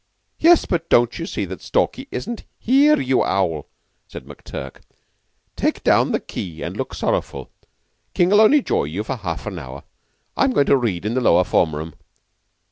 "Yes, but don't you see that Stalky isn't here, you owl!" said McTurk. "Take down the key, and look sorrowful. King'll only jaw you for half an hour. I'm going to read in the lower form room."